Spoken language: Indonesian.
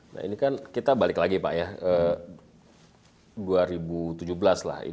nah ini kan kita balik lagi pak ya